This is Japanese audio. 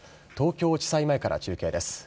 東京地裁前から中継です。